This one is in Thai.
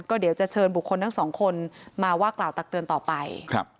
ก็เดี๋ยวจะเชิญบุคคลทั้งสองคนมาว่ากล่าวตักเตือนต่อไป